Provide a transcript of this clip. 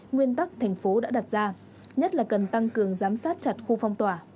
nguyên tắc thành phố đã đặt ra nhất là cần tăng cường giám sát chặt khu phong tỏa